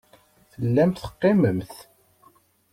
Tellamt teqqimemt.